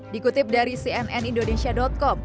dikutip dari cnnindonesia com